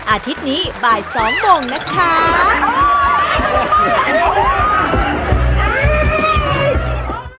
อาทิตย์นี้บ่าย๒โมงนะคะ